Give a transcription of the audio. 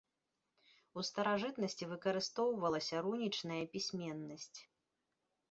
У старажытнасці выкарыстоўвалася рунічная пісьменнасць.